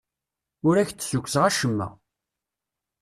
Ur ak-d-ssukkseɣ acemma.